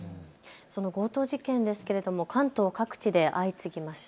その強盗事件ですが関東各地で相次ぎました。